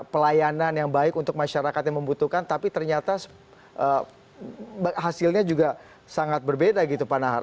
pelayanan yang baik untuk masyarakat yang membutuhkan tapi ternyata hasilnya juga sangat berbeda gitu pak nahar